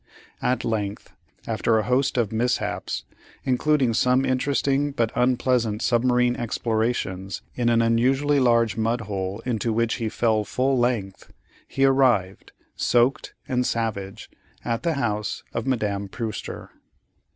At length, after a host of mishaps, including some interesting but unpleasant submarine explorations in an unusually large mud hole into which he fell full length, he arrived, soaked and savage, at the house of Madame Prewster.